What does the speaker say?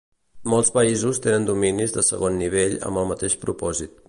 Molts països tenen dominis de segon nivell amb el mateix propòsit.